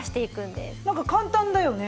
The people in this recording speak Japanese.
なんか簡単だよね。